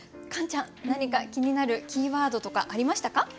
カンちゃん何か気になるキーワードとかありましたか？